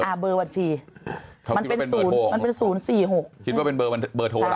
เบอร์บัญชีมันเป็นศูนย์มันเป็นศูนย์สี่หกคิดว่าเป็นเบอร์มันเบอร์โทรอะไร